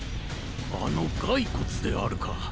あの骸骨であるか。